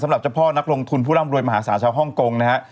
สำหรับเจ้าพ่อนักลงทุนผู้ร่ำรวยมหาศาลชาวฮ่องกงนะฮะ